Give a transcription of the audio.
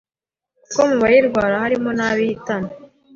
kuko mu bayirwara harimo n’abo ihitana.